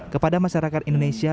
kepada masyarakat indonesia